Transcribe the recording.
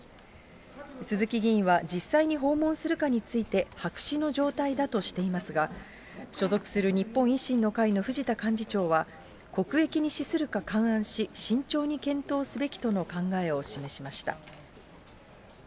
鈴木議員は実際に訪問するかについて、白紙の状態だとしていますが、所属する日本維新の会の藤田幹事長は、国益に資するか勘案し、慎重に検討すべきとの考えを示しました。